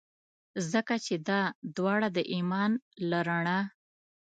ځکه چي دا داوړه د ایمان له رڼا.